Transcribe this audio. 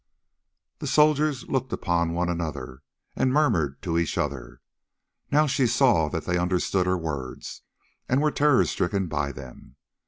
The soldiers looked upon one another and murmured each to each. Now she saw that they understood her words and were terror stricken by them.